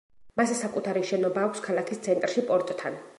მას საკუთარი შენობა აქვს ქალაქის ცენტრში, პორტთან.